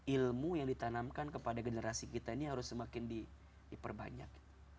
ilmu yang ditanamkan kepada generasi kita ini harus semakin diperbanyak